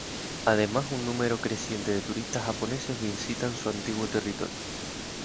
Además un número creciente de turistas japoneses visitan su antiguo territorio.